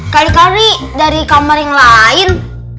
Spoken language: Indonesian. kali kali dari kamar yang lain